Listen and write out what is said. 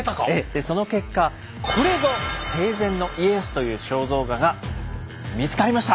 でその結果「これぞ生前の家康！」という肖像画が見つかりました。